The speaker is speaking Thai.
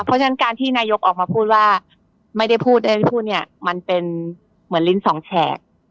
เพราะฉะนั้นการที่นายกออกมาพูดว่าไม่ได้พูดไม่ได้พูดเนี่ยมันเป็นเหมือนลิ้นสองแฉก